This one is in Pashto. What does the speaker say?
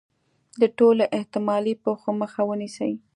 د ټولو احتمالي پېښو مخه ونیسي.